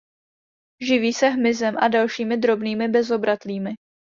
Živí se hmyzem a dalšími drobnými bezobratlými.